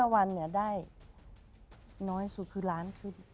๑๕วันเนี่ยได้น้อยสุดคือล้านกัน